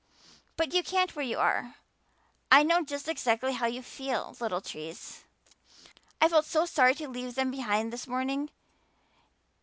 But you can't where you are. I know just exactly how you feel, little trees.' I felt sorry to leave them behind this morning.